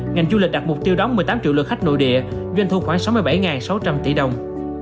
ngành du lịch đặt mục tiêu đóng một mươi tám triệu lượt khách nội địa doanh thu khoảng sáu mươi bảy sáu trăm linh tỷ đồng